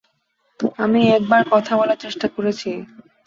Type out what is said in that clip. আমি একবার কথা বলার চেষ্টা করেছি।